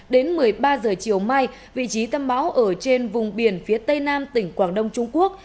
đến một mươi ba h chiều mai vị trí tâm bão ở trên vùng biển phía tây nam tỉnh quảng đông trung quốc